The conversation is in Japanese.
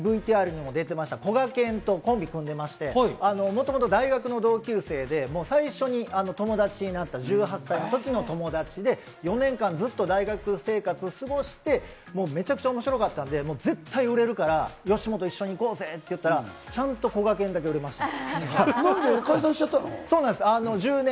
ＶＴＲにも出ていました、こがけんとコンビを組んでまして、もともと大学の同級生で最初に友達になった、１８歳の時の友達で４年間ずっと大学生活を過ごしてめちゃくちゃ面白かったんで絶対売れるから、よしもと一緒に行こうぜって言ったら、ちゃんと、こがけんだけ売れました。